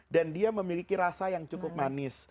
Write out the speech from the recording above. dan dia memiliki rasa yang cukup manis